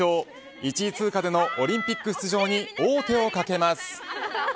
１位通過でのオリンピック出場に王手をかけます。